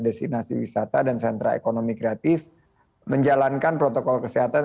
destinasi wisata dan sentra ekonomi kreatif menjalankan protokol kesehatan